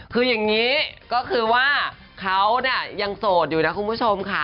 คืออย่างนี้ก็คือว่าเขาเนี่ยยังโสดอยู่นะคุณผู้ชมค่ะ